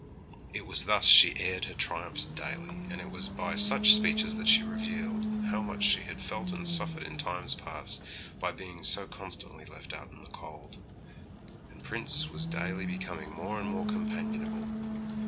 It was thus she aired her triumphs daily; and it was by such speeches that she revealed how much she had felt and suffered in times past by being so constantly left out in the cold. And Prince was daily becoming more and more companionable.